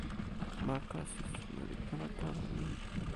ma kasi sina li pona tawa mi.